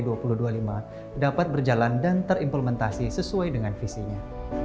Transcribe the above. bagaimana cara bsi dua ribu dua puluh lima dapat berjalan dan terimplementasi sesuai dengan visinya